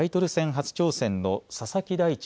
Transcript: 初挑戦の佐々木大地